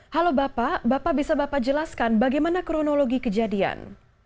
halo bapak bapak bisa bapak jelaskan bagaimana kronologi kejadian